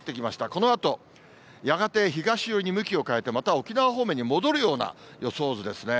このあと、やがて東寄りに向きを変えて、また沖縄方面に戻るような予想図ですね。